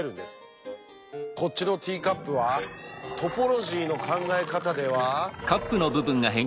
こっちのティーカップはトポロジーの考え方では。